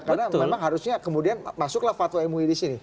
karena memang harusnya kemudian masuklah fatwa mui di sini